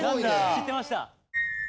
知ってました。